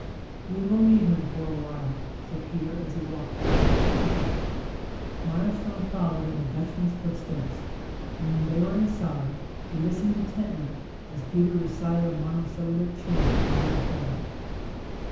"We will leave him for awhile," said Peter as he walked back to the kitchen. Mirestone followed in the Dutchman's footsteps, and when they were inside, he listened intently as Peter recited a monosyllabic chant over the feather.